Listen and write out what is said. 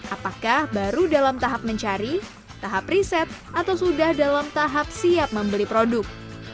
apakah baru dalam tahap mencari tahap riset atau sudah dalam tahap siap membeli produk